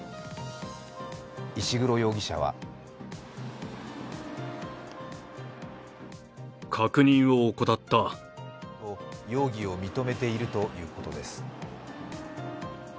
石黒容疑者はなどと容疑を認めているということです。